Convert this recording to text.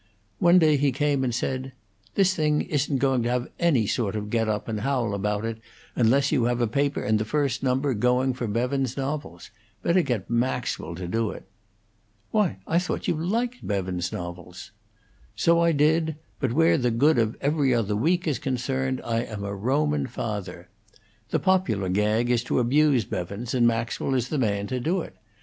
One day he came and said: "This thing isn't going to have any sort of get up and howl about it, unless you have a paper in the first number going for Bevans's novels. Better get Maxwell to do it." "Why, I thought you liked Bevans's novels?" "So I did; but where the good of 'Every Other Week' is concerned I am a Roman father. The popular gag is to abuse Bevans, and Maxwell is the man to do it.